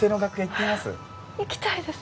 行きたいです。